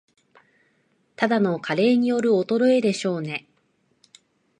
ただの加齢による衰えでしょうね